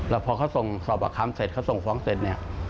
แล้วพอเขาส่งสอบประคัมเสร็จเขาส่งฟ้องเสร็จเนี่ย